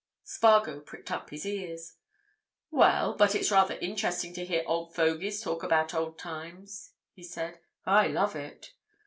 Spargo pricked up his ears. "Well, but it's rather interesting to hear old fogies talk about old times," he said. "I love it!"